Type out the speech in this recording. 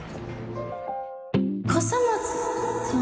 笠松さん？